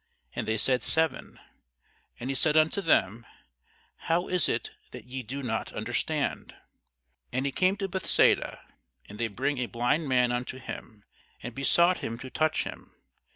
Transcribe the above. And they said, Seven. And he said unto them, How is it that ye do not understand? And he cometh to Bethsaida; and they bring a blind man unto him, and besought him to touch him.